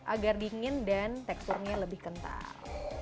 agar dingin dan teksturnya lebih kental